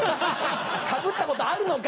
かぶったことあるのか！